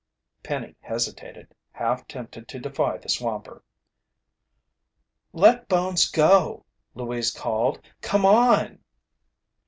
Penny hesitated, half tempted to defy the swamper. "Let Bones go," Louise called. "Come on."